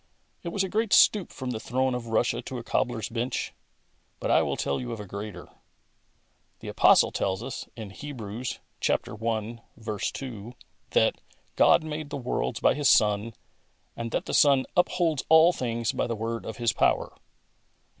It was a great stoop from the throne of Russia to a cobbler's bench, but I will tell you of a greater. The apostle tells us, in Hebrews i. 2, that God made the worlds by His Son, and that the Son " upholds all things by the word of His power."